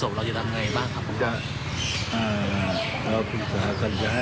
เวลาราชิกาจะเก็บไปห้อง